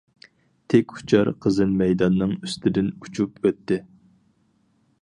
تىك ئۇچار قىزىل مەيداننىڭ ئۈستىدىن ئۇچۇپ ئۆتتى.